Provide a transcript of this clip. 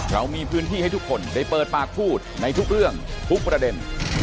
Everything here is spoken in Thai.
เรามีพื้นที่ให้ทุกคนได้เปิดปากพูดในทุกเรื่องทุกประเด็น